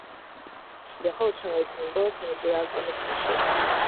此后成为停播前的主要节目形式。